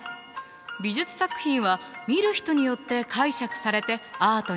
美術作品は見る人によって解釈されてアートになる。